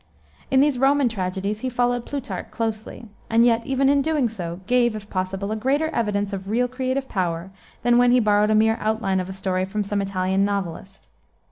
In these Roman tragedies, he followed Plutarch closely, and yet, even in so doing, gave, if possible, a greater evidence of real creative power than when he borrowed a mere outline of a story from some Italian novelist.